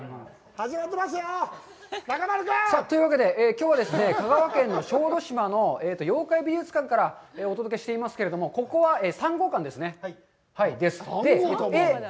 始まってますよ、中丸君！さあ、というわけできょうは香川県の小豆島の妖怪美術館からお届けしていますけれども、ここは３号館ですね？